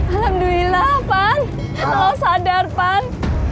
alhamdulillah pan selalu sadar pan